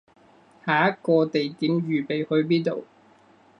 下一個地點預備去邊度